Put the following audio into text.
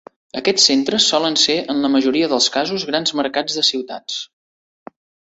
Aquests centres solen ser en la majoria dels casos grans mercats de ciutats.